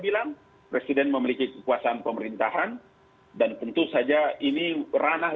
bilang presiden memiliki kekuasaan pemerintahan dan tentu saja ini ranah